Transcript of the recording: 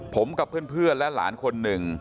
ผมกับเพื่อนและหลานคนหนึ่ง